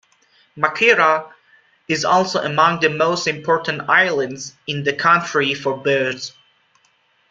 Makira is also among the most important islands in the country for birds.